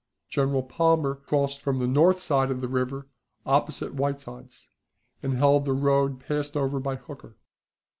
General Palmer crossed from the north side of the river opposite Whiteside's, and held the road passed over by Hooker.